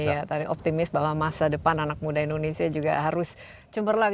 iya tadi optimis bahwa masa depan anak muda indonesia juga harus cemerlang